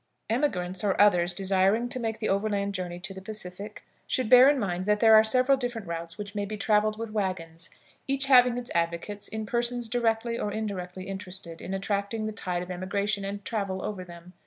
Emigrants or others desiring to make the overland journey to the Pacific should bear in mind that there are several different routes which may be traveled with wagons, each having its advocates in persons directly or indirectly interested in attracting the tide of emigration and travel over them.